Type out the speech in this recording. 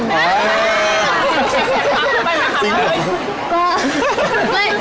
ฟักไปนะคะ